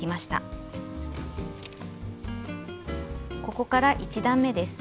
ここから１段めです。